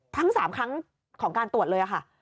ทั้ง๓ครั้งของการตรวจเลยค่ะ